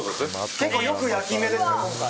結構よく焼き目が、今回。